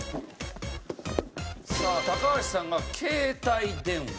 さあ高橋さんが携帯電話。